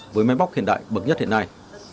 với máy móc hiện đại bậc nhất hiện nay